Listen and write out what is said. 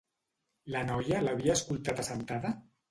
La noia l'havia escoltat assentada?